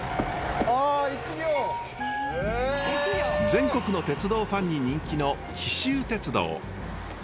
全国の鉄道ファンに人気の紀州鉄道。